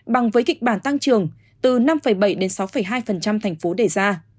bằng với kịch bản tăng trưởng từ năm bảy đến sáu hai thành phố đề ra